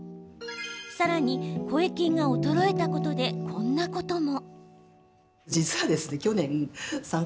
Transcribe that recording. さらに、声筋が衰えたことでこんなことも。